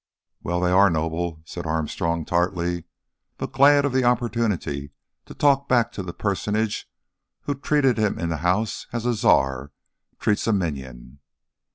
"Well, they are noble," said Armstrong tartly, but glad of the opportunity to talk back to the personage who treated him in the House as a Czar treats a minion.